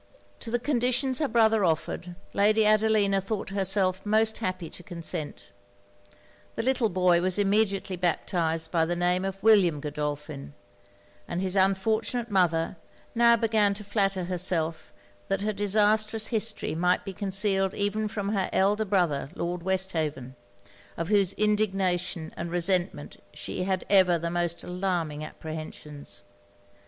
To the conditions her brother offered, Lady Adelina thought herself most happy to consent. The little boy was immediately baptized by the name of William Godolphin, and his unfortunate mother now began to flatter herself that her disastrous history might be concealed even from her elder brother, Lord Westhaven; of whose indignation and resentment she had ever the most alarming apprehensions.